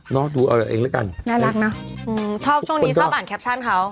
ดูเอาเองแล้วกันน่ารักเนอะชอบช่วงนี้ชอบอ่านแคปชั่นเขา